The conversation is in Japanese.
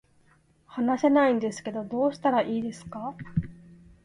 話せないんですけどどうしたらいいですか